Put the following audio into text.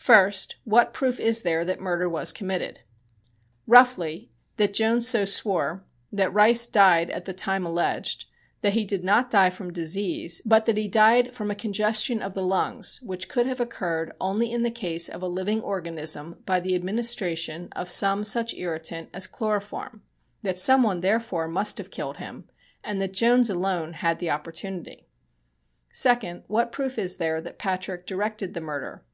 First: What proof is there that murder was committed? Roughly, that Jones so swore; that Rice died at the time alleged; that he did not die from disease, but that he died from a congestion of the lungs which could have occurred only in the case of a living organism by the administration of some such irritant as chloroform; that some one, therefore, must have killed him, and that Jones alone had the opportunity. Second: What proof is there that Patrick directed the murder?